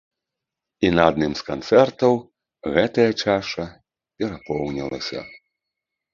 І на адным з канцэртаў гэтая чаша перапоўнілася.